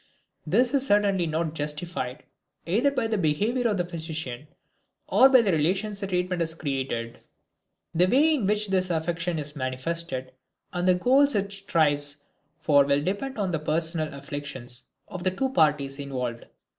This is certainly not justified either by the behavior of the physician or by the relations the treatment has created. The way in which this affection is manifested and the goals it strives for will depend on the personal affiliations of the two parties involved.